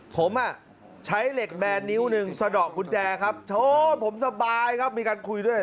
ผมอ่ะใช้เหล็กแบนนิ้วหนึ่งสะดอกกุญแจครับโชว์ผมสบายครับมีการคุยด้วย